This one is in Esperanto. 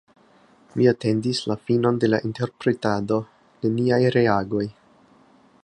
Mi atendis la finon de la interpretado: neniaj reagoj!